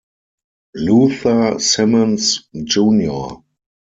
Luther Simmons Jr.